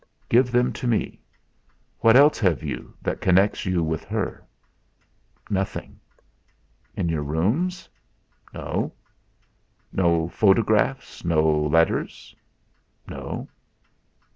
"Give them to me. What else have you that connects you with her?" "Nothing." "In your rooms?" "No." "No photographs. No letters?" "No."